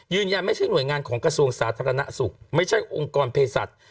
ยืนยันไม่ใช่หน่วยงานของกระทรวงสาธารณสุขไม่ใช่องค์กรเพศัตริย์